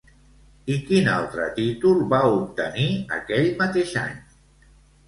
I quin altre títol va obtenir aquell mateix any?